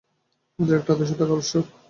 আমাদের একটি আদর্শ থাকা আবশ্যক।